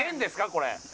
これ。